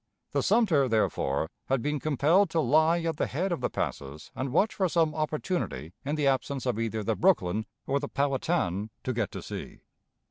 The Sumter, therefore, had been compelled to lie at the head of the passes and watch for some opportunity in the absence of either the Brooklyn or the Powhatan to get to sea.